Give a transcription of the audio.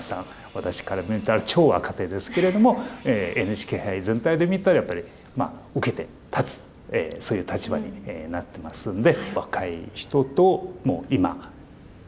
私から見たら超若手ですけれどもＮＨＫ杯全体で見たらやっぱり受けて立つそういう立場になってますんで。